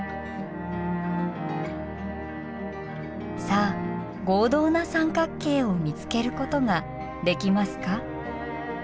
さあ合同な三角形を見つけることができますか？